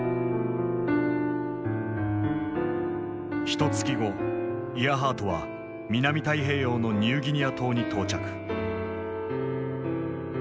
ひとつき後イアハートは南太平洋のニューギニア島に到着。